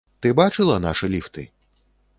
Ты бачыла нашы ліфты?